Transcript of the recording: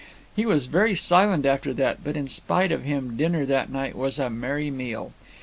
He was very silent after that, but in spite of him dinner that night was a merry meal.